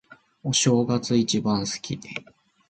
お正月、一番好き。